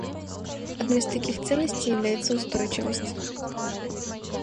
Одной из таких ценностей является устойчивость.